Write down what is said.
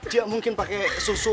dia mungkin pakai susu